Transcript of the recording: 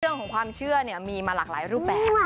เรื่องของความเชื่อมีมาหลากหลายรูปแบบ